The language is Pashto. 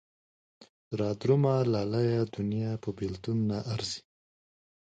را درومه لالیه دونيا په بېلتون نه ارځي